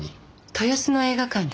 豊洲の映画館で。